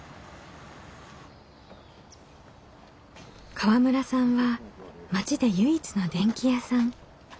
河村さんは町で唯一の電気屋さん。